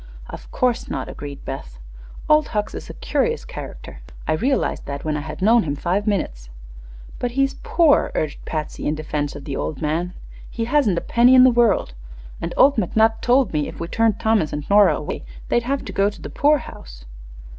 "Of course not," agreed Beth. "Old Hucks is a curious character. I realized that when I had known him five minutes." "But he's poor," urged Patsy, in defense of the old man. "He hasn't a penny in the world, and McNutt told me if we turned Thomas and Nora away they'd have to go to the poorhouse."